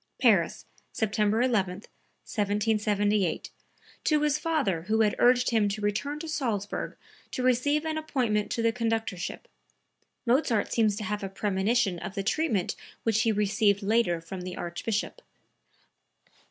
(Paris, September 11, 1778, to his father who had urged him to return to Salzburg to receive an appointment to the conductorship. Mozart seems to have a premonition of the treatment which he received later from the Archbishop.)